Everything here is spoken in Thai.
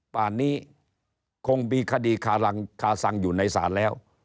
ป่านนี้คงมีคดีคารังคาซังอยู่ในศาลแล้ว